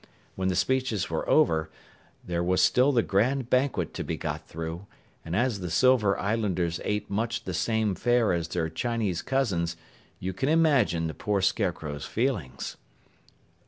When the speeches were over, there was still the grand banquet to be got through, and as the Silver Islanders ate much the same fare as their Chinese cousins, you can imagine the poor Scarecrow's feelings.